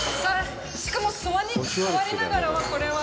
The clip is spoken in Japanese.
しかも、座りながらは、これは。